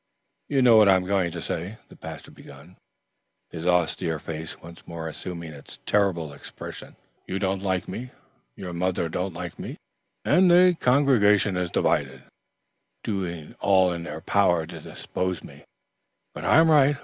"You know what I am going to say," the pastor began, his austere face once more assuming its terrible expression. "You don't like me, your mother don't like me, and the congregation is divided, doing all in their power to dispossess me; but I am right.